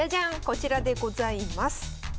こちらでございます。